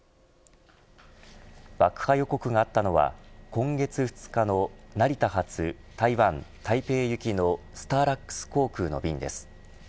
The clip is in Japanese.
爆破予告があったのは今月２日の成田発、台湾・台北行きのスターラックス航空の便です。